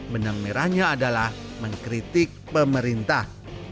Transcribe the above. benang merahnya adalah mengkritik pemerintah